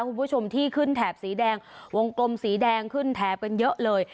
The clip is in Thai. คุณผู้ชมที่ขึ้นแถบสีแดงวงกลมสีแดงขึ้นแถบกันเยอะเลย